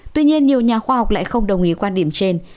tuy nhiên nhiều nhà khoa học lại không đồng ý quan điểm trên